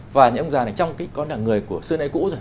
và những ông già này trong cái con là người của xưa nay cũ rồi